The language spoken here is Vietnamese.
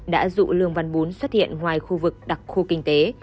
đã dụ lương văn bún xuất hiện ngoài khu vực đặc khu kinh tế